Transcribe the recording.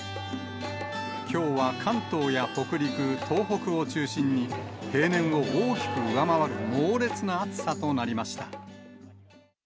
きょうは関東や北陸、東北を中心に、平年を大きく上回る猛烈な暑さとなりました。